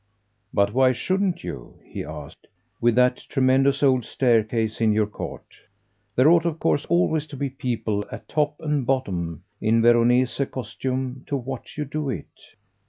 "But why shouldn't you," he asked, "with that tremendous old staircase in your court? There ought of course always to be people at top and bottom, in Veronese costumes, to watch you do it."